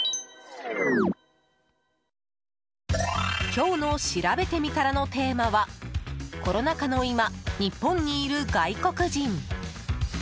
今日のしらべてみたらのテーマはコロナ禍の今日本にいる外国人。